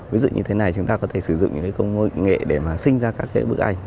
ví dụ như thế này chúng ta có thể sử dụng những cái nghệ để mà sinh ra các cái bức ảnh